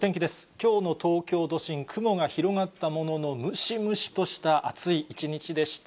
きょうの東京都心、雲が広がったものの、ムシムシとした暑い一日でした。